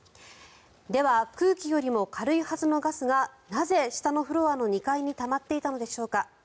では空気よりも軽いはずのガスがなぜ下のフロアの２階にたまっていたのでしょうか。